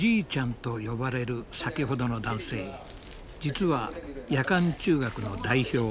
実は夜間中学の代表